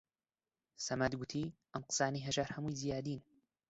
سەمەد گوتی: ئەم قسانەی هەژار هەمووی زیادین